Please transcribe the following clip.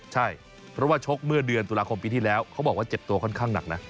ใช่เพราะว่าชกเมื่อเดือนตุลาคมปีที่แล้วเขาบอกว่าเจ็บตัวค่อนข้างหนักนะ